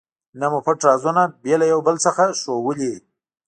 نه مو پټ رازونه بې له یو بل څخه ښودلي.